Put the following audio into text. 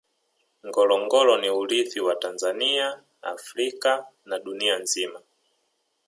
ngorongoro ni urithi wa tanzania africa na dunia nzima